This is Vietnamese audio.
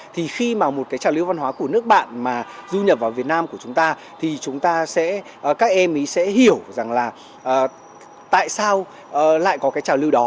thì khi mà một cái trào lưu văn hóa của nước bạn mà du nhập vào việt nam của chúng ta thì chúng ta sẽ các em ý sẽ hiểu rằng là tại sao lại có cái trào lưu đó